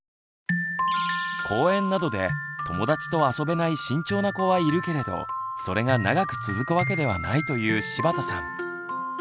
公園などで友達と遊べない慎重な子はいるけれどそれが長く続くわけではないという柴田さん。